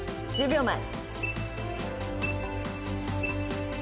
１０秒前。